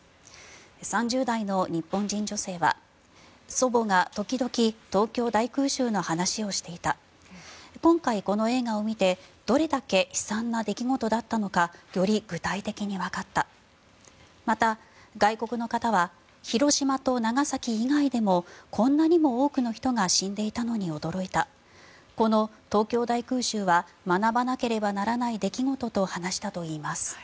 ３０代の日本人女性は祖母が時々東京大空襲の話をしていた今回、この映画を見てどれだけ悲惨な出来事だったのかより具体的にわかったまた、外国人の方は広島と長崎以外でもこんなにも多くの人が死んでいたのに驚いたこの東京大空襲は学ばなければならない出来事と話したといいます。